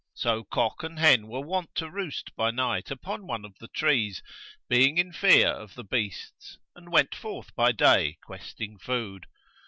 So cock and hen were wont to roost by night upon one of the trees, being in fear of the beasts, and went forth by day questing food.